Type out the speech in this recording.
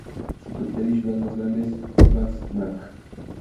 Su capital y ciudad más grande es Gdańsk.